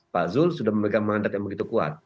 pak zulkifili hasan sudah memegang mandat yang begitu kuat